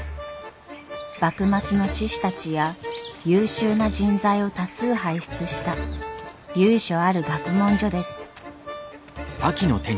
幕末の志士たちや優秀な人材を多数輩出した由緒ある学問所です。